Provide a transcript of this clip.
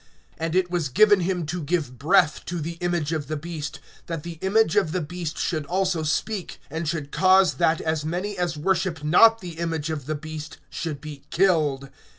(15)And it was given him to give breath[13:15] to the image of the beast, that the image of the beast should also speak, and should cause that as many as worship not the image of the beast should be killed.